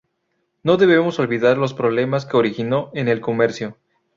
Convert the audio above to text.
No debemos olvidar los problemas que originó en el comercio.